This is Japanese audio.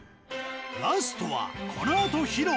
ラストは、このあと披露。